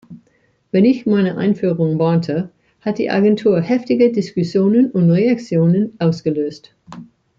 Wie ich in meiner Einführung warnte, hat die Agentur heftige Diskussionen und Reaktionen ausgelöst.